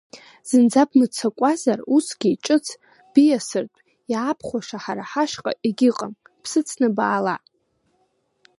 Зынӡа бмыццакуазар, усгьы, ҿыц биасыртә, иаабхәаша ҳара ҳашҟа егьыҟам, бсыцны баала!